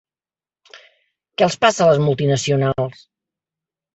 Què els passa a les multinacionals?